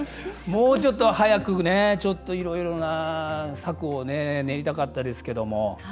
もうちょっと早くちょっと、いろいろな策を練りたかったですけども。